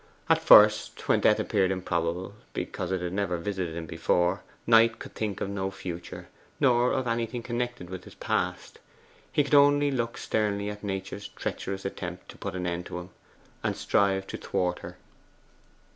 At first, when death appeared improbable, because it had never visited him before, Knight could think of no future, nor of anything connected with his past. He could only look sternly at Nature's treacherous attempt to put an end to him, and strive to thwart her.